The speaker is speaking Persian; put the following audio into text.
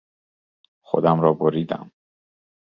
خودم را بریدم.